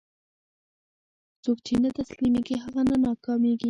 څوک چې نه تسلیمېږي، هغه نه ناکامېږي.